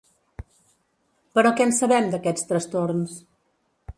Però què en sabem d’aquests trastorns?